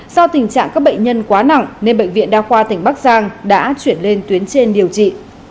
do tình trạng các bệnh nhân quá nặng nên bệnh viện đa khoa tỉnh bắc giang đã chuyển lên tuyến trên điều trị